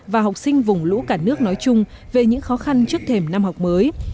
và học sinh vùng lũ cả nước nói chung về những khó khăn trước thềm năm học mới